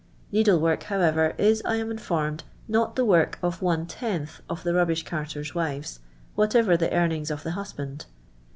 Needle work, however, is, I am informed, not the work of one tenth of the rubbish carters' wives, whatever the earnings of the husband.